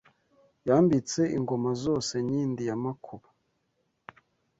Yambitse ingoma zose nkindi ya Makuba